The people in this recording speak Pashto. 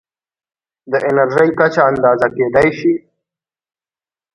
د انرژۍ کچه اندازه کېدای شي.